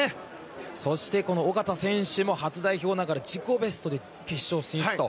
そして、小方選手も初代表ながら自己ベストで決勝進出と。